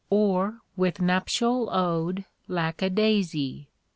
Or with Nuptial Ode, lack a daisy!